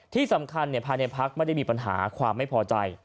ที่สำคัญภายในภาคไม่ได้มีปัญหาความไม่พอใจ